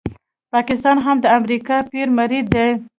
پاکستان هم د امریکایي پیر مرید دی.